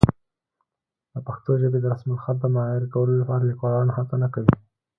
د پښتو ژبې د رسمالخط د معیاري کولو لپاره لیکوالان هڅه نه کوي.